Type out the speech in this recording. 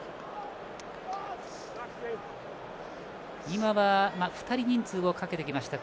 今は２人、人数をかけてきました。